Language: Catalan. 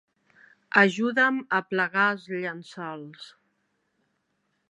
Ajuda'm a plegar els llençols.